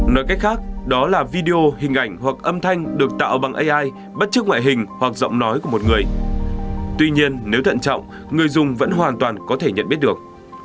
nói cách khác đó là video hình ảnh hoặc âm thanh được tạo bằng ai bất chức ngoại hình hoặc giọng nói của một người tuy nhiên nếu thận trọng người dùng vẫn hoàn toàn có thể nhận biết được